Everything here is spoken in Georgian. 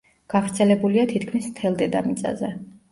გავრცელებულია თითქმის მთელ დედამიწაზე.